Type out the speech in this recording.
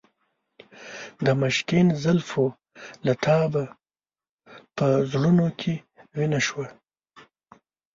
د مشکین زلفو له تابه په زړونو کې وینه شوه.